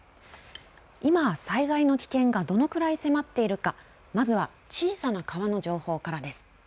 今、災害の危険がどのくらい迫っているかまずは小さな川の情報からです。